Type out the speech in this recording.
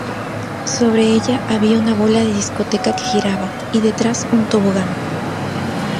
Sobre ella había una bola de discoteca que giraba y detrás un tobogán.